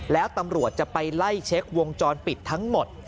แล้วตำรวจจะไปไล่เช็ควงจรปิดทั้งหมด